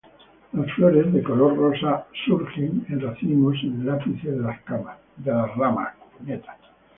Las flores, de color rosa, surgen en racimos en el ápice de las ramas.